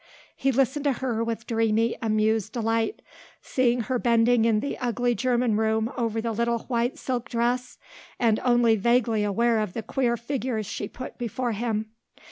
He listened to her with dreamy, amused delight, seeing her bending in the ugly German room over the little white silk dress and only vaguely aware of the queer figures she put before him.